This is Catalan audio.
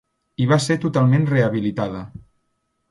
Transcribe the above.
I va ser totalment rehabilitada.